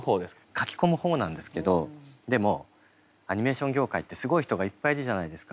描き込む方なんですけどでもアニメーション業界ってすごい人がいっぱいいるじゃないですか。